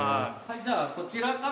じゃあこちらから。